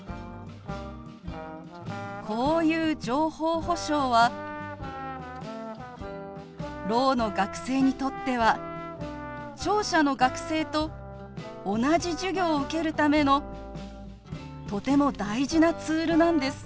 こういう情報保障はろうの学生にとっては聴者の学生と同じ授業を受けるためのとても大事なツールなんです。